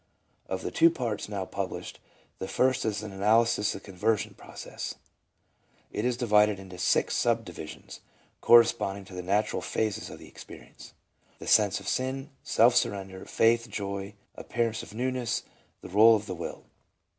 Of the two parts now published, the first is an analysis of the conversion process ; it is divided into six subdivisions, corre sponding to the natural phases of the experience : The Sense of Sin, Self surrender, Faith, Joy, Appearance of Newness, The Bole of the Will.